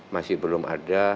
masih belum ada